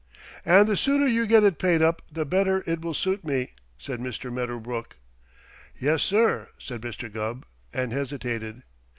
"And the sooner you get it paid up the better it will suit me," said Mr. Medderbrook. "Yes, sir," said Mr. Gubb, and hesitated.